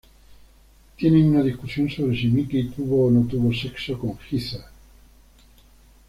Tienen una discusión sobre si Mickey tuvo o no tuvo sexo con Heather.